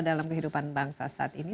dalam kehidupan bangsa saat ini